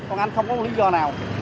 còn anh không có lý do nào